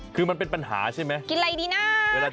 คือมันเป็นปัญหาใช่ไหม